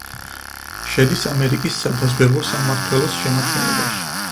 შედის ამერიკის სადაზვერვო სამმართველოს შემადგენლობაში.